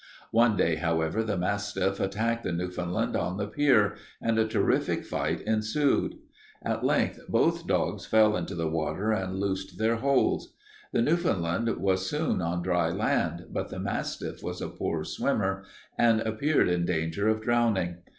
One day, however, the mastiff attacked the Newfoundland on the pier, and a terrific fight ensued. At length both dogs fell into the water and loosed their holds. The Newfoundland was soon on dry land, but the mastiff was a poor swimmer and appeared in danger of drowning.